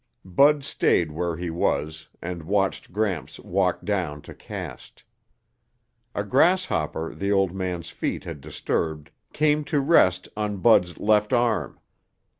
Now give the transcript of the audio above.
Bud stayed where he was and watched Gramps walk down to cast. A grasshopper the old man's feet had disturbed came to rest on Bud's left arm.